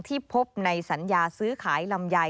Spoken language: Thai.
ที่พบในสัญญาซื้อขายลำไย